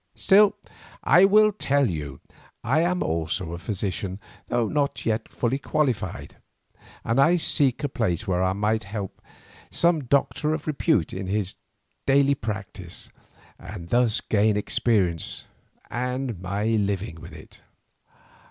"Still, I will tell you. I am also a physician, though not yet fully qualified, and I seek a place where I may help some doctor of repute in his daily practice, and thus gain experience and my living with it."